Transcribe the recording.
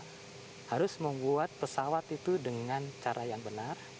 kita harus membuat pesawat itu dengan cara yang benar